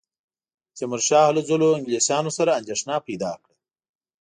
د تیمورشاه هلو ځلو انګلیسیانو سره اندېښنه پیدا کړه.